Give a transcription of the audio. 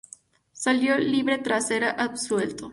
Salió libre tras ser absuelto.